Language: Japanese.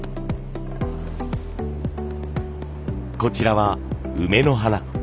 こちらは梅の花。